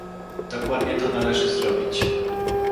Dokładnie to należy zrobić